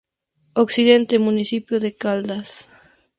Occidente: municipio de Caldas.